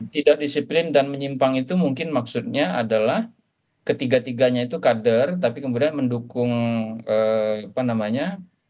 tidak disiplin dan menyimpang itu mungkin maksudnya adalah ketiga tiganya itu kader tapi kemudian mendukung apa namanya